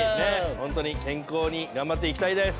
本当に健康に頑張っていきたいです。